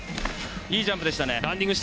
いいジャンプでした。